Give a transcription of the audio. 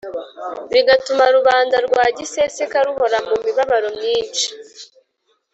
bigatuma rubanda rwa giseseka ruhora mu mibabaro myinshi.